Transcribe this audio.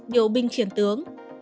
điều binh khiển tướng